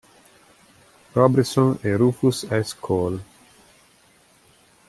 Robertson e Rufus S. Cole.